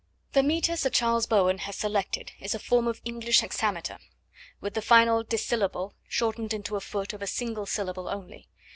The metre Sir Charles Bowen has selected is a form of English hexameter, with the final dissyllable shortened into a foot of a single syllable only.